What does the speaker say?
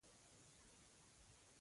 مچان د غوښې بوی ته ډېر راځي